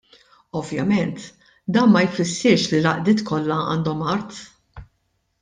Ovvjament dan ma jfissirx li l-għaqdiet kollha għandhom art.